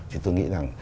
thì tôi nghĩ rằng